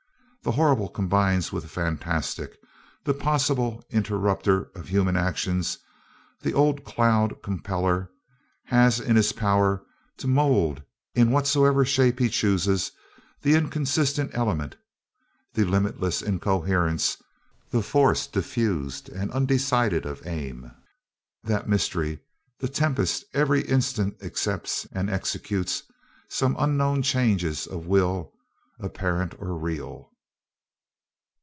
The horrible combines with the fantastic. The possible interrupter of human actions, the old Cloud compeller, has it in his power to mould, in whatsoever shape he chooses, the inconsistent element, the limitless incoherence, the force diffused and undecided of aim. That mystery the tempest every instant accepts and executes some unknown changes of will, apparent or real.